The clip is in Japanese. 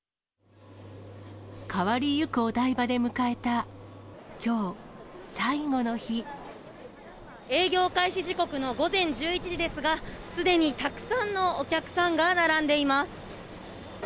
変わりゆくお台場で迎えた、営業開始時刻の午前１１時ですが、すでにたくさんのお客さんが並んでいます。